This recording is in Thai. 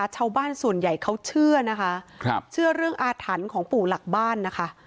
ชาวบ้านส่วนใหญ่เขาเชื่อนะคะเชื่อเรื่องอาถรรพ์ของปู่หลักบ้านนะคะ